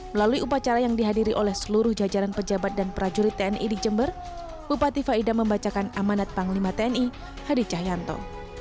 melalui upacara yang dihadiri oleh seluruh jajaran pejabat dan prajurit tni di jember bupati faida membacakan amanat panglima tni hadi cahyanto